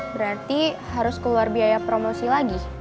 berarti harus keluar biaya promosi lagi